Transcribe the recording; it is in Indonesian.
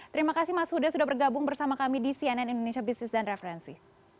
terima kasih mas huda sudah bergabung bersama kami di cnn indonesia business dan referensi